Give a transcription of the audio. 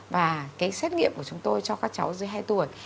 và cái xét nghiệm của chúng tôi cho các cháu dưới hai tuổi